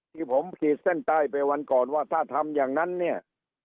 ที่ผมขีดเส้นใต้ไปวันก่อนว่าถ้าทำอย่างนั้นเนี่ย